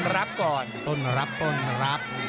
รับก่อนต้นรับต้นรับ